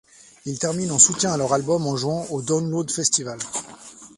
Ils terminent en soutien à leur album en jouant au Download Festival.